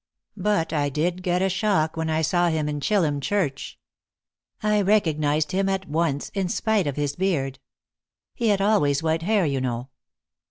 But I did get a shock when I saw him in Chillum Church. I recognised him at once, in spite of his beard. He had always white hair, you know."